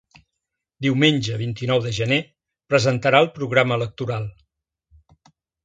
Diumenge, vint-i-nou de gener, presentarà el programa electoral.